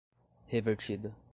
revertida